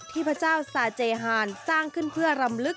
พระเจ้าซาเจฮานสร้างขึ้นเพื่อรำลึก